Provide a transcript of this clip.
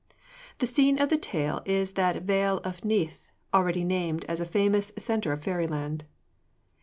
The scene of the tale is that Vale of Neath, already named as a famous centre of fairyland.